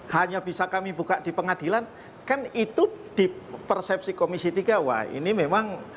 hanya bisa kami buka di pengadilan kan itu di persepsi komisi tiga wah ini memang